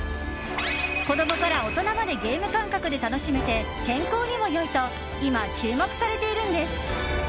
子供から大人までゲーム感覚で楽しめて健康にも良いと今、注目されているんです。